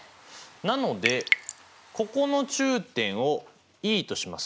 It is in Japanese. なのでここの中点をＥとしますと。